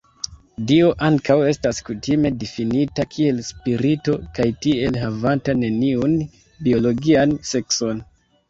Dio ankaŭ estas kutime difinita kiel spirito, kaj tiel havanta neniun biologian sekson.